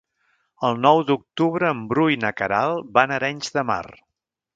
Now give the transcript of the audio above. El nou d'octubre en Bru i na Queralt van a Arenys de Mar.